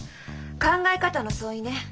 考え方の相違ね。